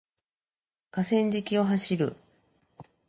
河川敷を走る